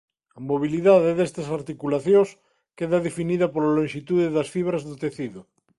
A mobilidade destas articulacións queda definida pola lonxitude das fibras do tecido.